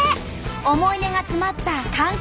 思い出が詰まったかん